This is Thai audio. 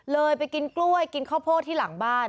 เลยไปกินกล้วยกินข้าวโพดที่หลังบ้าน